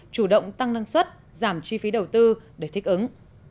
chủ động tăng năng suất giảm chi phí đầu tư để thích ứng